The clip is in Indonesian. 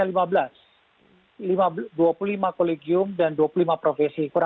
dua puluh lima kolegium dan dua puluh lima profesi kurang lebih lima puluh dari gabungan yang ada di kementerian kesehatan